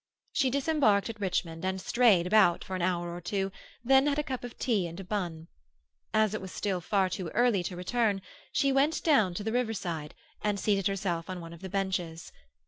She disembarked at Richmond and strayed about for an hour or two, then had a cup of tea and a bun. As it was still far too early to return, she went down to the riverside and seated herself on one of the benches.